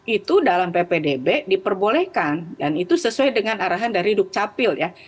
itu dalam ppdb diperbolehkan dan itu sesuai dengan arahan dari dukcapil ya